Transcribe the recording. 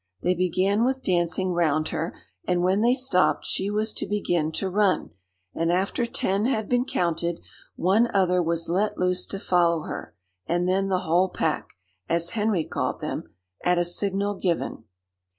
They began with dancing round her, and when they stopped she was to begin to run, and after ten had been counted, one other was let loose to follow her, and then the whole pack, as Henry called them, at a signal given.